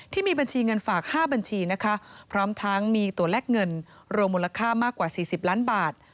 ที่มีบัญชีเงินฝาก๕บัญชีนะคะพร้อมทั้งมีตัวแลกเงินรวมมูลค่ามากกว่า๔๐ล้านบาท